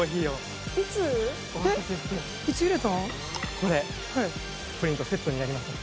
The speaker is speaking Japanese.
これプリンとセットになりましたので。